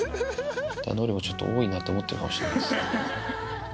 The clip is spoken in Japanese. のりもちょっと多いなと思ってるかもしれないですね。